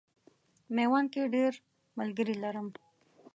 میوند کې ډېر ملګري لرم.